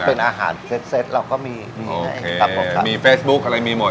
แล้วเป็นอาหารเซ็ตเราก็มีมีไงครับผมครับโอเคมีเฟซบุ๊กอะไรมีหมด